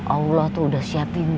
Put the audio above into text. allah tuh udah siapin